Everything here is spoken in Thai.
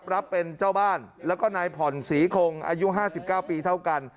รับเป็นเจ้าบ้านแล้วก็นายผ่อนศรีคงอายุ๕๙ปีเท่ากัน